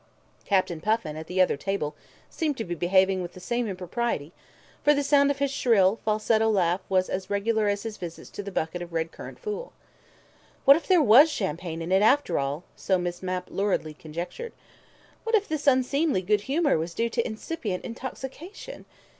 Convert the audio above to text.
Captain Puffin, at the other table, seemed to be behaving with the same impropriety, for the sound of his shrill, falsetto laugh was as regular as his visits to the bucket of red currant fool. What if there was champagne in it after all, so Miss Mapp luridly conjectured! What if this unseemly good humour was due to incipient intoxication?